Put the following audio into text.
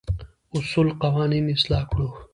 اصول قوانين اصلاح کړو.